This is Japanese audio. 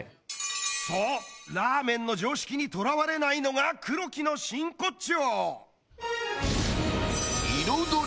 そうラーメンの常識にとらわれないのが黒木の真骨頂！